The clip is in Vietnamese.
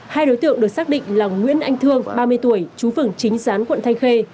hai đối tượng được xác định là nguyễn anh thương ba mươi tuổi chú phường chính gián quận thanh khê